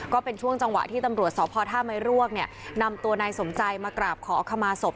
ก็เป็นช่วงจังหวะที่ตำรวจสพท่าไม้รวกเนี่ยนำตัวนายสมใจมากราบขอขมาศพ